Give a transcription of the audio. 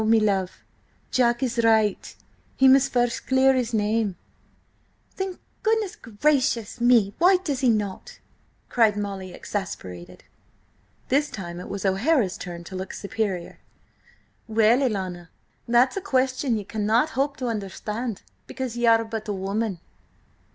"No, me love. Jack is right: he must first clear his name." "Then, gracious goodness me, why does he not?" cried Molly, exasperated. This time it was O'Hara's turn to look superior. "Well, alanna, that's a question ye cannot hope to understand–because ye are but a woman."